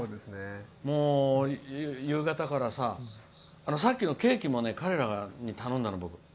もう夕方からささっきのケーキも彼らに頼んだの、僕。